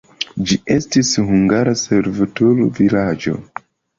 Ĝi estis hungara servutul-vilaĝo.